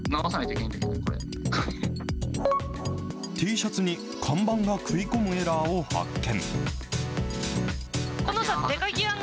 Ｔシャツに看板が食い込むエラーを発見。